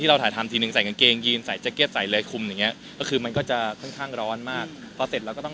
ผ้ามันจะลุดมาขนาดนั้น